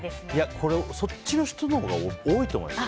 そっちの人のほうが多いと思いますよ。